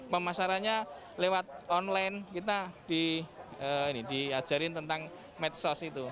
pemasarannya lewat online kita di ini di ajarin tentang mat source itu